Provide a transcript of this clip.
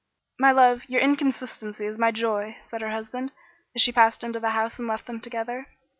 "My love, your inconsistency is my joy," said her husband, as she passed into the house and left them together.